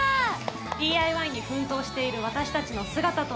ＤＩＹに奮闘している私たちの姿と。